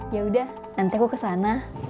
yaudah nanti aku kesana